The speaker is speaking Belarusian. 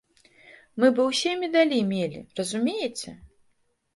Мы бы ўсе медалі мелі, разумееце?